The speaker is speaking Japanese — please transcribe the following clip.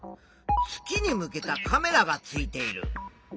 月に向けたカメラがついている。